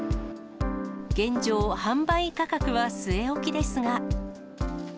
現状、販売価格は据え置きですが。